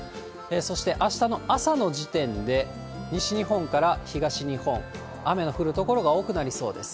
そしてあしたの朝の時点で、西日本から東日本、雨の降る所が多くなりそうです。